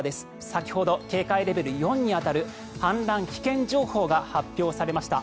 先ほど警戒レベル４に当たる氾濫危険情報が発表されました。